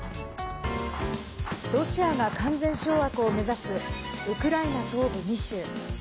ロシアが完全掌握を目指すウクライナ東部２州。